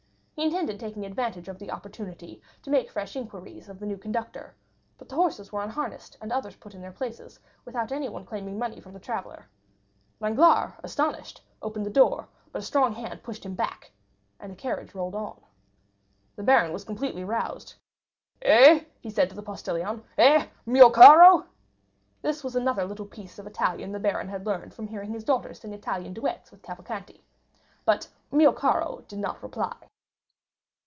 He intended taking advantage of the opportunity to make fresh inquiries of the new conductor; but the horses were unharnessed, and others put in their places, without anyone claiming money from the traveller. Danglars, astonished, opened the door; but a strong hand pushed him back, and the carriage rolled on. The baron was completely roused. "Eh?" he said to the postilion, "eh, mio caro?" This was another little piece of Italian the baron had learned from hearing his daughter sing Italian duets with Cavalcanti. But mio caro did not reply.